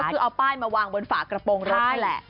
คือเอาป้ายมาวางบนฝากระโปรงรถนี่แหละ